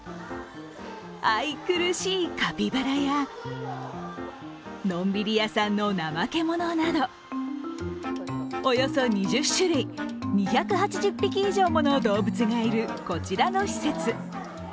愛くるしいカピバラやのんびり屋さんのナマケモノなどおよそ２０種類、２８０匹以上もの動物がいるこちらの施設。